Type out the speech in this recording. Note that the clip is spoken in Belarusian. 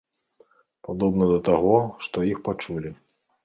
Падобна да таго, што іх пачулі.